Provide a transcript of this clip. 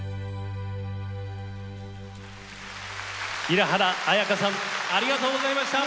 平原綾香さんありがとうございました！